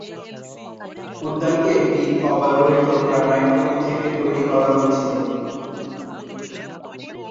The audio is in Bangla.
উদ্যানটি একটি অব্যবহৃত গ্রানাইট খনি থেকে তৈরি করা হয়েছিল।